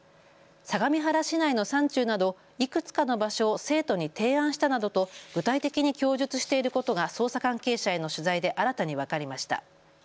相模原市内の山中などいくつかの場所を生徒に提案したなどと具体的に供述していることが捜査関係者への取材で新たに分かりました。